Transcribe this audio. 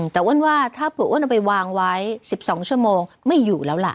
แต่อ้วนว่าถ้าปู่อ้วนเอาไปวางไว้๑๒ชั่วโมงไม่อยู่แล้วล่ะ